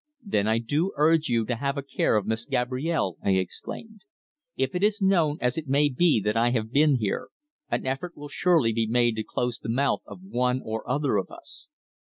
"Then I do urge you to have a care of Miss Gabrielle," I exclaimed. "If it is known, as it may be, that I have been here, an effort will surely be made to close the mouth of one or other of us.